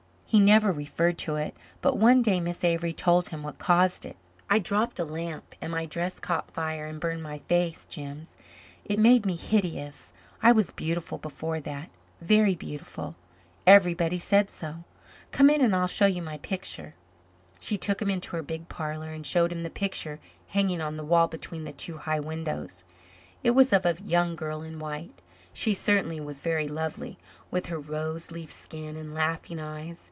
He never referred to it, but one day Miss Avery told him what caused it. "I dropped a lamp and my dress caught fire and burned my face, Jims. It made me hideous. I was beautiful before that very beautiful. Everybody said so. Come in and I will show you my picture." She took him into her big parlor and showed him the picture hanging on the wall between the two high windows. It was of a young girl in white. She certainly was very lovely, with her rose leaf skin and laughing eyes.